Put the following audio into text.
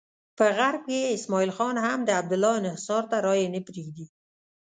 په غرب کې اسماعیل خان هم د عبدالله انحصار ته رایې نه پرېږدي.